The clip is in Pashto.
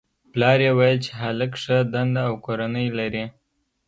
پلار یې ویل چې هلک ښه دنده او کورنۍ لري